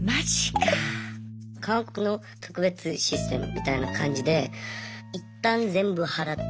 韓国の特別システムみたいな感じでいったん全部払って。